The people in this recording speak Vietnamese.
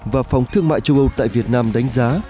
và phòng thương mại châu âu tại việt nam đánh giá